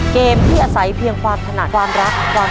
เกมที่อาศัยเพียงความถนัดความรักความ